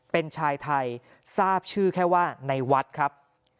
เป็นชายไทยทราบชื่อแค่ว่าในวัดครับ